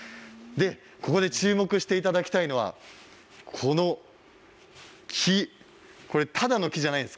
ここで注目していただきたいのはこの木、ただの木じゃないです。